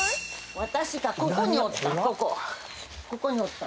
私がここにおった